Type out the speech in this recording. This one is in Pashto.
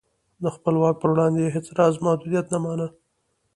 د خپل واک پر وړاندې یې هېڅ راز محدودیت نه مانه.